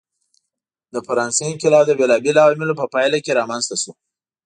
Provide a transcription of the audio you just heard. د فرانسې انقلاب د بېلابېلو عواملو په پایله کې رامنځته شو.